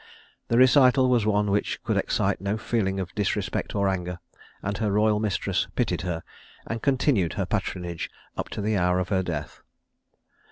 The recital was one which could excite no feeling of disrespect or of anger; and her royal mistress pitied her, and continued her patronage up to the hour of her death.